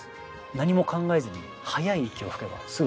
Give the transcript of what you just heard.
何も考えずに早い息を吹けばすぐ。